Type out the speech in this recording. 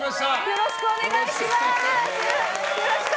よろしくお願いします！